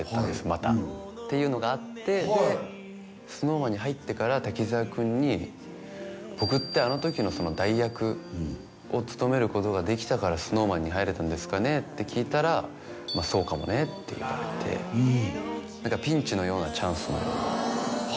またっていうのがあってでＳｎｏｗＭａｎに入ってから滝沢くんに「僕ってあの時の代役を務めることができたから」「ＳｎｏｗＭａｎに入れたんですかね？」って聞いたらって言われてあっそうか